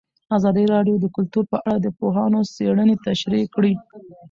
ازادي راډیو د کلتور په اړه د پوهانو څېړنې تشریح کړې.